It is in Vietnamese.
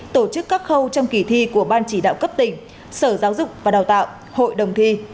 tổ chức các khâu trong kỳ thi của ban chỉ đạo cấp tỉnh sở giáo dục và đào tạo hội đồng thi